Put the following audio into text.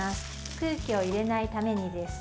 空気を入れないためにです。